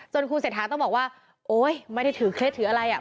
คุณเศรษฐาต้องบอกว่าโอ๊ยไม่ได้ถือเคล็ดถืออะไรอ่ะ